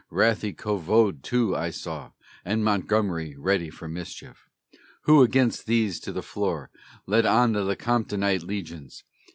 Wrathy Covode, too, I saw, and Montgomery ready for mischief. Who against these to the floor led on the Lecomptonite legions?